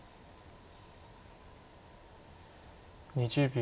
２０秒。